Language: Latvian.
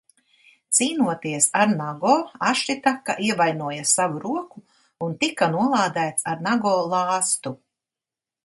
Cīnoties ar Nago, Ašitaka ievainoja savu roku un tika nolādēts ar Nago lāstu.